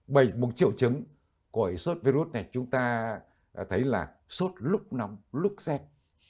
bởi một triệu chứng của sốt virus này chúng ta thấy là sốt lúc nóng lúc xét